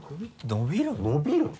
伸びるの？